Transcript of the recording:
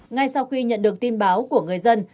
ngay sau khi nhận được tin báo của người dân